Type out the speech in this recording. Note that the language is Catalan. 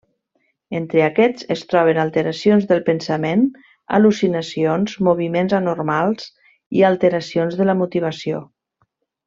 Entre aquests es troben alteracions del pensament, al·lucinacions, moviments anormals i alteracions de la motivació.